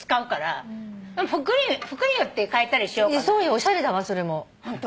おしゃれだわそれも。ホント？